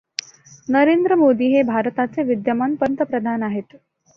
नरेंद्र मोदी हे भारताचे विद्यमान पंतप्रधान आहेत.